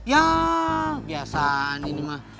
ya biasaan ini mah